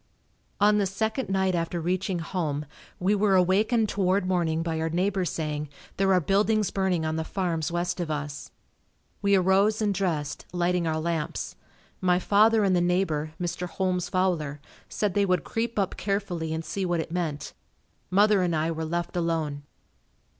On the second night after reaching home we were awakened toward morning by our neighbor saying, "There are buildings burning on the farms west of us." We arose and dressed, lighting our lamps. My father and the neighbor, Mr. Holmes Fowler, said they would creep up carefully and see what it meant. Mother and I were left alone.